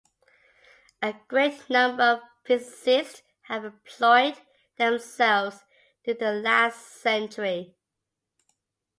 A great number of physicists have employed themselves during the last century